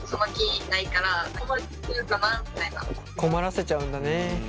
困らせちゃうんだね。